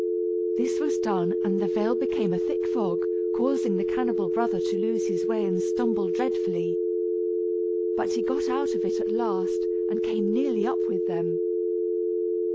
This was done, and the veil became a thick fog, causing the cannibal brother to lose his way and stumble dreadfully. But he got out of it at last, and came nearly up with them.